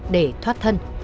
để thoát thân